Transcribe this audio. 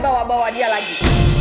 bawa bawa dia lagi